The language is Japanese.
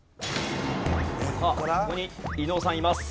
さあここに伊能さんいます。